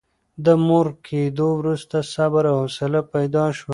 د مور کېدو وروسته صبر او حوصله پیدا شوه.